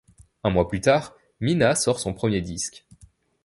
Un mois plus tard, Mina sort son premier disque.